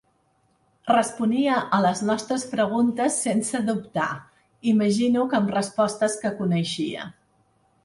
Responia a les nostres preguntes sense dubtar, imagino que amb respostes que coneixia.